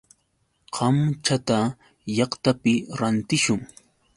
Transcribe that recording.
Kamchata llaqtapi rantishun.